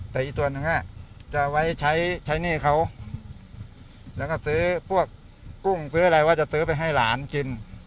แต่อีกตัวหนึ่งจะไว้ใช้หนี้เขาแล้วก็ซื้อพวกกุ้งซื้ออะไรว่าจะซื้อไปให้หลานกิน